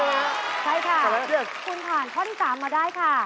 ใช่ค่ะคุณผ่านข้อที่๓มาได้ค่ะ